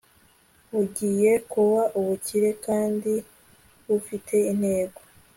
bugiye kuba ubukire kandi bufite intego